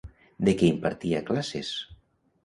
De què impartia classes?